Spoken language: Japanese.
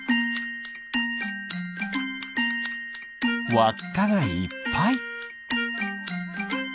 わっかがいっぱい。